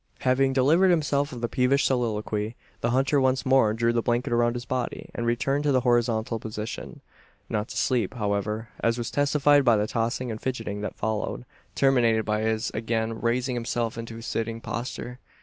Having delivered himself of this peevish soliloquy, the hunter once more drew the blanket around his body, and returned to the horizontal position. Not to sleep, however; as was testified by the tossing and fidgeting that followed terminated by his again raising himself into a sitting posture.